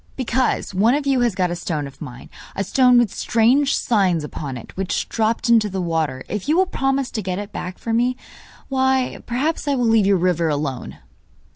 'Because one of you has got a stone of mine a stone with strange signs upon it which dropped into the water. If you will promise to get it back for me, why, perhaps I will leave your river alone.